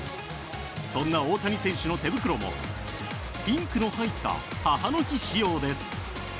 そんな大谷選手の手袋もピンクの入った母の日仕様です。